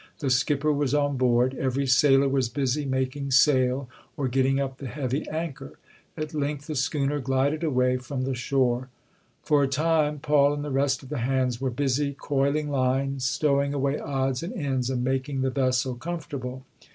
The skipper was on board. Every sailor was busy making sail or getting up the heavy anchor. At length the schooner glided away from the shore. For a time, Paul and the rest of the hands 252 ] UNSUNG HEROES were busy coiling lines, stowing away odds and ends and making the vessel comfortable.